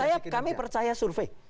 saya kami percaya survei